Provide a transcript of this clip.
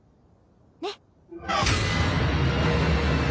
ねっ？